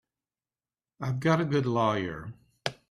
I've got a good lawyer.